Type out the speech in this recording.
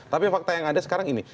tapi fakta yang ada sekarang ini